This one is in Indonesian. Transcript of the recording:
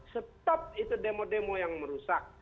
stop itu demo demo yang merusak